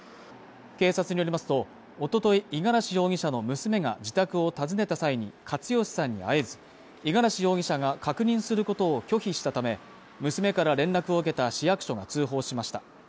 警察によりますと、おととい、五十嵐容疑者の娘が自宅を訪ねた際に勝芳さんに会えず、五十嵐容疑者が確認することを拒否したため、娘から連絡を受けた市役所が通報しました。